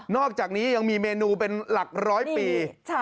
อกจากนี้ยังมีเมนูเป็นหลักร้อยปี